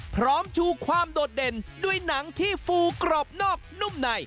ชูความโดดเด่นด้วยหนังที่ฟูกรอบนอกนุ่มใน